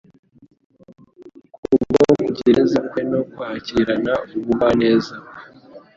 kubwo kugira neza kwe no kwakirana ubugwaneza kwe,